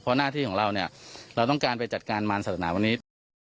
เพราะหน้าที่ของเราเราต้องการไปจัดการมารสัตว์หน้าวันนี้